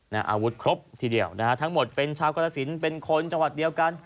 อาวุธครบทีเดียวนะฮะทั้งหมดเป็นชาวกรสินเป็นคนจังหวัดเดียวกัน